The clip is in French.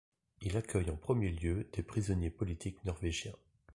Il accueille en premier lieu des prisonniers politiques norvégiens.